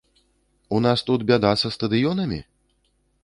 У нас тут бяда са стадыёнамі?